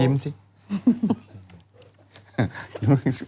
ยิ้มสิครับยิ้มสิ